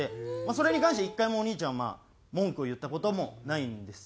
それに関しては１回もお兄ちゃんは文句を言った事もないんですよ。